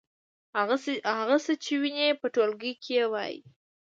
هغه څه چې وینئ په ټولګي کې ووایئ.